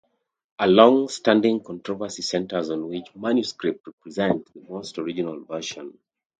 A long-standing controversy centers on which manuscripts represent the most original version.